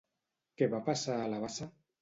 Què va passar a la bassa?